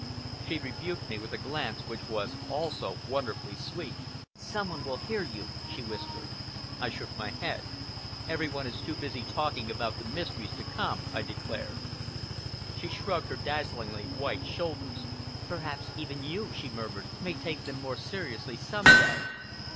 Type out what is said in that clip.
She rebuked me with a glance, which was also wonderfully sweet. "Some one will hear you," she whispered. I shook my head. "Every one is too busy talking about the mysteries to come," I declared. She shrugged her dazzlingly white shoulders. "Perhaps even you," she murmured, "may take them more seriously some day."